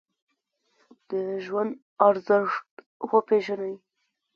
د ژوند ارزښت وپیژنئ